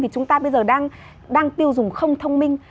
chúng ta bây giờ đang tiêu dùng không thông minh